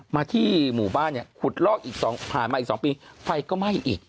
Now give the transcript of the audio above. มาที่หมู่บ้านเนี่ยขุดลอกอีกผ่านมาอีก๒ปีไฟก็ไหม้อีก